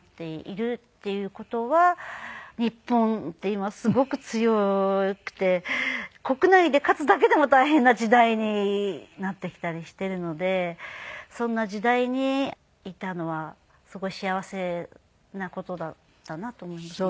日本って今すごく強くて国内で勝つだけでも大変な時代になってきたりしているのでそんな時代にいたのはすごい幸せな事だったなと思いますね。